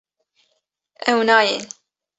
Ew nayên